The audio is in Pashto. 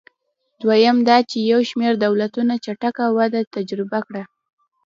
دویم دا چې یو شمېر دولتونو چټکه وده تجربه کړه.